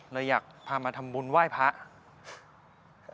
เลยอยากพามาทำบุญไหว้พระ